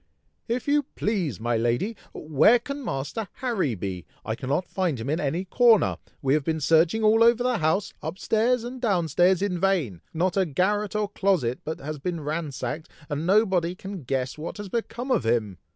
"If you please, my lady! where can Master Harry be? I cannot find him in any corner! we have been searching all over the house, up stairs and down stairs, in vain. Not a garret or a closet but has been ransacked, and nobody can guess what has become of him!"